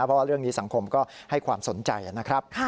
เพราะว่าเรื่องนี้สังคมก็ให้ความสนใจนะครับ